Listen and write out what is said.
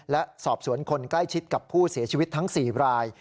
และสอบสวนคนใกล้ชิดกับผู้เสียชีวิตทั้ง๔ราย